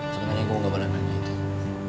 sebenernya gue gak mau nanggepin dia